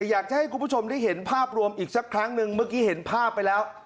อยากจะให้คุณผู้ชมได้เห็นภาพรวมอีกสักครั้งหนึ่งเมื่อกี้เห็นภาพไปแล้ว